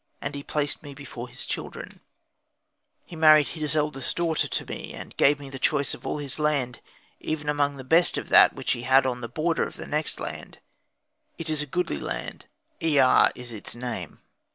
And he placed me before his children, he married his eldest daughter to me, and gave me the choice of all his land, even among the best of that which he had on the border of the next land. It is a goodly land, laa is its name.